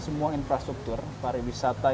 semua infrastruktur pariwisata